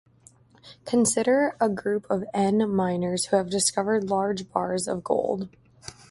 Consider a group of "n" miners, who have discovered large bars of gold.